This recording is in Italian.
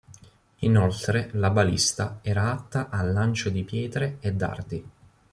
Inoltre la balista era atta al lancio di pietre e dardi.